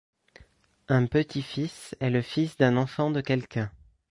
Un petit-fils est le fils d'un enfant de quelqu'un.